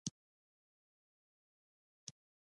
آزاد تجارت مهم دی ځکه چې ورزشي توکي راوړي.